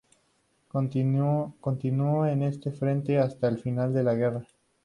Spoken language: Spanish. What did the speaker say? Continuó en este frente hasta el final de la guerra.